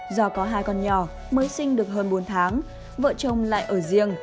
do có hai con nhỏ mới sinh được hơn bốn tháng vợ chồng lại ở riêng